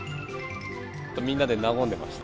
みんなで和んでました。